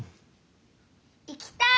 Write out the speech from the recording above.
行きたい！